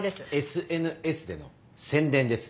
ＳＮＳでの宣伝です。